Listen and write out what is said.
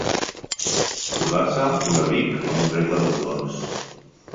Cordar-se, un abric, amb un rengle de botons.